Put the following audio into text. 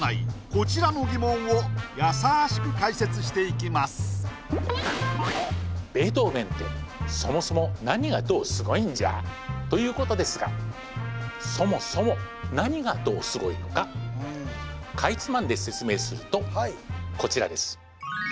こちらの疑問をやさしく解説していきますということですがそもそも何がどうすごいのかかいつまんで説明するとこちらです